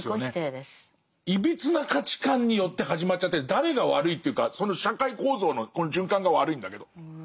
いびつな価値観によって始まっちゃってて誰が悪いというかその社会構造のこの循環が悪いんだけど。